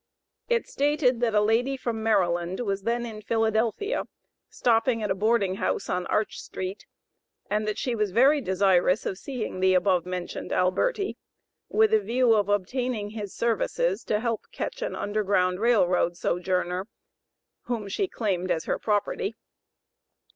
It stated that a lady from Maryland was then in Philadelphia, stopping at a boarding house on Arch Street, and that she was very desirous of seeing the above mentioned Alberti, with a view of obtaining his services to help catch an Underground Rail Road sojourner, whom she claimed as her property.